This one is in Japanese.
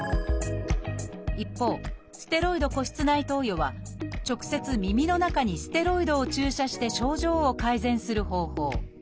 一方ステロイド鼓室内投与は直接耳の中にステロイドを注射して症状を改善する方法。